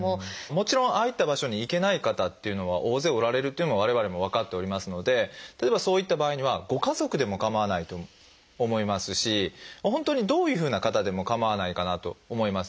もちろんああいった場所に行けない方っていうのは大勢おられるというのも我々も分かっておりますので例えばそういった場合にはご家族でもかまわないと思いますし本当にどういうふうな方でもかまわないかなと思います。